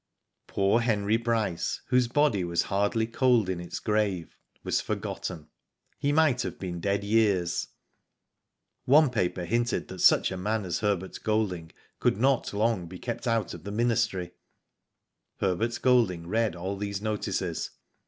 Poor Henry Bryce, whose body was hardly cold in its grave, was forgotten. He might have been dead years. One paper hinted that such a man as Herbert Golding could not long be kept out of the Ministry. Herbert Golding read all these notices.